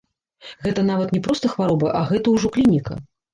Гэта нават не проста хвароба, а гэта ўжо клініка.